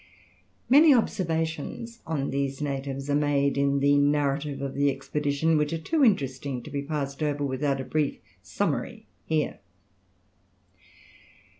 Many observations on these natives are made in the narrative of the expedition, which are too interesting to be passed over without a brief summary here.